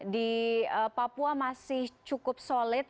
di papua masih cukup solid